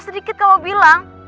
sedikit kamu bilang